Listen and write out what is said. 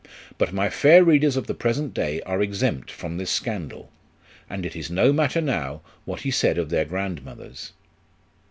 But my fair readers of the present day are exempt from this scandal ; and it is no matter now, what he said of their grandmothers.